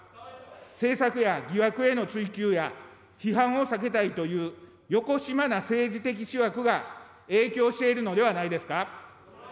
政策や疑惑への追及や批判を避けたいというよこしまな政治的思惑が影響しているのではないですか。